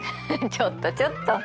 ちょっとちょっと。